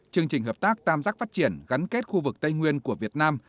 chương trình hợp tác tam giác phát triển gắn kết khu vực tây nguyên của việt nam